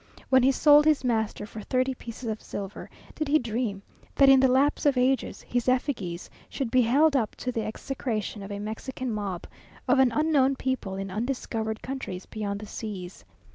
When he sold his master for thirty pieces of silver, did he dream that in the lapse of ages his effigies should be held up to the execration of a Mexican mob, of an unknown people in undiscovered countries beyond the seas?